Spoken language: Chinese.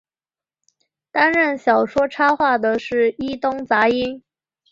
担任小说插画的是伊东杂音。